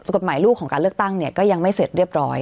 กฎหมายลูกของการเลือกตั้งเนี่ยก็ยังไม่เสร็จเรียบร้อย